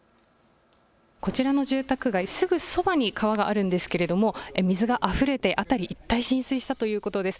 こちらの住宅街、すぐそばに川があるんですけれども水があふれて辺り一帯浸水したということです。